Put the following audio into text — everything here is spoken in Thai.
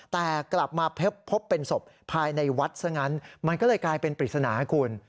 แต่กลับมาพบเป็นศพภายในวัดซะงั้นมันก็เลยกลายเป็นปริศนาคุณ